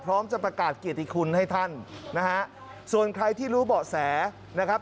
พร้อมจะประกาศเกียรติคุณให้ท่านนะฮะส่วนใครที่รู้เบาะแสนะครับ